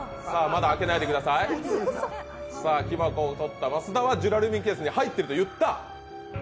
まだ開けないでください、木箱をとった、益田は、ジュラルミンケースに入っていると言った。